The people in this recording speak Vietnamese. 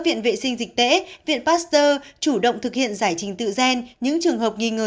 viện vệ sinh dịch tễ viện pasteur chủ động thực hiện giải trình tự gen những trường hợp nghi ngờ